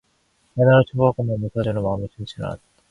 야단을 쳐보았건만, 못 사주는 마음이 시원치는 않았다.